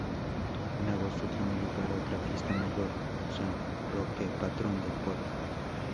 En agosto tiene lugar otra fiesta mayor: San Roque, patrón del pueblo.